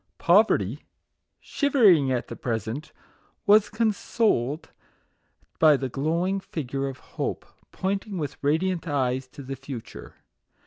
Poverty, shivering at the present, was consoled by the glowing figure of Hope, pointing with 2 MAGIC WORDS. radiant eyes to the future.